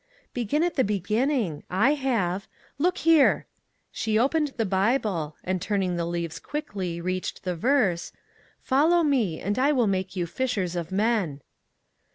" Begin at the beginning ; I have. Look here." She opened the Bible and turning the leaves quickly reached the verse, " Follow me and I will make you fishers of men."